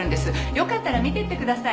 よかったら見ていってください。